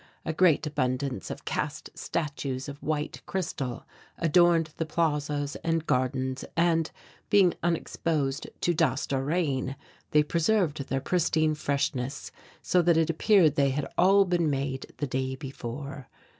A great abundance of cast statues of white crystal adorned the plazas and gardens and, being unexposed to dust or rain, they preserved their pristine freshness so that it appeared they had all been made the day before.